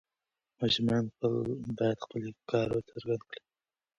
ماشومان باید خپل افکار څرګند کړي.